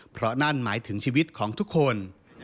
เพราะนั่นหมายถึงชีวิตของทุกคน